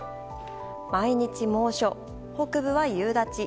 毎日猛暑、北部は夕立。